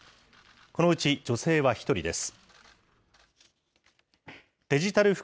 このうち女性は１人です。